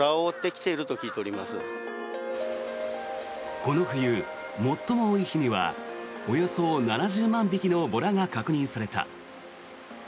この冬、最も多い日にはおよそ７０万匹のボラが確認された。